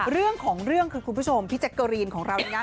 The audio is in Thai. เรื่องของเรื่องคือคุณผู้ชมพี่แจกรีนของเรา